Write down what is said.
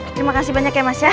terima kasih banyak ya mas ya